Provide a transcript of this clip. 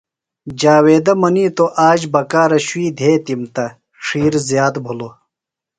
جاویدہ منیتو آج بکارہ شُوئی دھیتِم تہ ڇھیر زیات بِھلوۡ۔